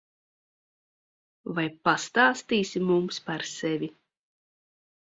Vai pastāstīsi mums par sevi?